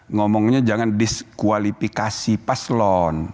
ngomongnya jangan diskualifikasi paslon